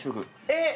えっ！